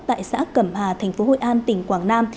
tại xã cẩm hà tp hội an tỉnh quảng nam